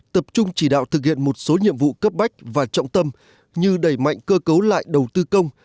tập trung chỉ đạo thực hiện một số nhiệm vụ cấp bách và trọng tâm như đẩy mạnh cơ cấu lại đầu tư công